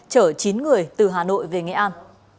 chở chín người từ hà nội về nghệ an